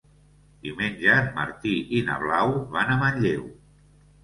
Diumenge en Martí i na Blau van a Manlleu.